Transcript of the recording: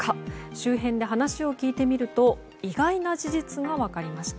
周辺で話を聞いてみると意外な事実が分かりました。